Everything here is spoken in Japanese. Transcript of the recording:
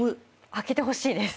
空けてほしいです。